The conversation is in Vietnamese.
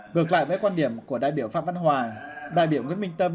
ngược lại với quan điểm của đại biểu phạm văn hòa đại biểu nguyễn minh tâm